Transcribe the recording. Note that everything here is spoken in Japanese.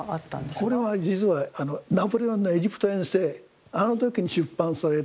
これは実はナポレオンのエジプト遠征あの時に出版された１８０７年の本です。